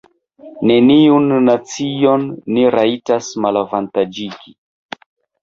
Neniun nacion ni rajtas malavantaĝigi.